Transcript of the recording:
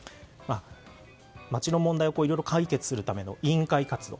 町の問題をいろいろ解決するための委員会活動